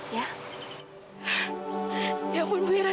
ya ampun bu yara